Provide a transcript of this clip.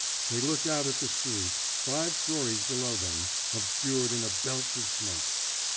They looked out at the street, five stories below them, obscured in a belch of smoke.